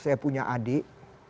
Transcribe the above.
saya punya adik